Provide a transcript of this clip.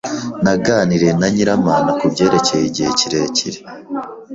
Naganiriye na Nyiramana kubyerekeye igihe kirekire.